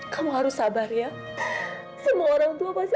kamu harus tetap di sini anak